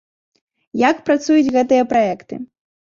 Як працуюць гэтыя праекты?